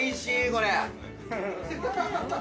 これ。